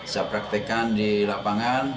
saya praktekkan di lapangan